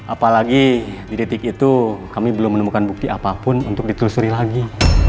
apalagi di detik itu kami belum menemukan bukti apapun untuk ditelusuri lagi